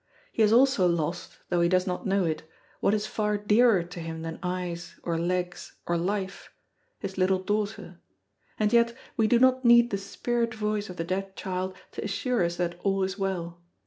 He has also lost, though he does not know it, what is far dearer to him than eyes, or legs, or life, his little daughter. And yet we do not need the spirit voice of the dead child to assure us that all is well.